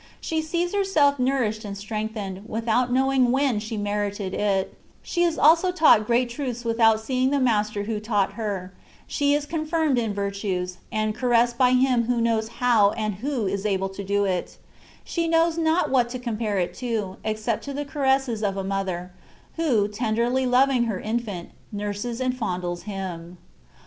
She sees herself nourished and strengthened, without knowing when she merited it : she is also taught great truths without seeing the Master who taught her ; she is confirmed in virtues, and caressed by Him who knows how and who is able to do it ; she knows not what to com pare it to, except to the caresses of a mother, who, tenderly loving her infant, nurses and fondles him.